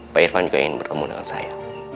pak irfan juga ingin bertemu dengan saya